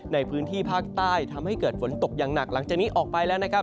ในพื้นที่ภาคใต้ทำให้เกิดฝนตกอย่างหนักหลังจากนี้ออกไปแล้วนะครับ